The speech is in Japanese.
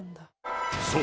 ［そう。